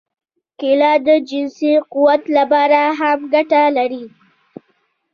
کېله د جنسي قوت لپاره هم ګټه لري.